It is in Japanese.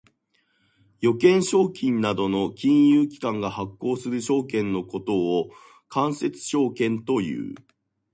預金証券などの金融機関が発行する証券のことを間接証券という。